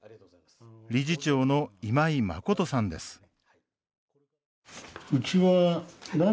理事長の今井誠さんです。